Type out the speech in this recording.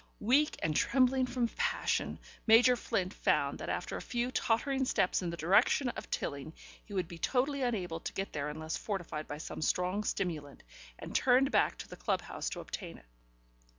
Weak and trembling from passion, Major Flint found that after a few tottering steps in the direction of Tilling he would be totally unable to get there unless fortified by some strong stimulant, and turned back to the club house to obtain it.